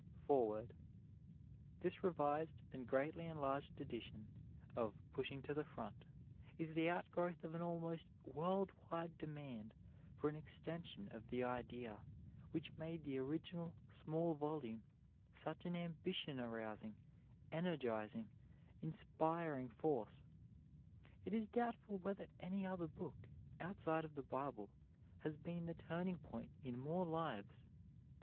FOREWORD This revised and greatly enlarged edition of "Pushing to the Front" is the outgrowth of an almost world wide demand for an extension of the idea which made the original small volume such an ambition arousing, energizing, inspiring force. It is doubtful whether any other book, outside of the Bible, has been the turning point in more lives.